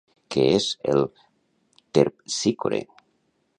Què és el Terpsícore?